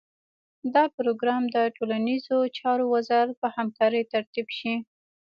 دا پروګرام د ټولنیزو چارو وزارت په همکارۍ ترتیب شي.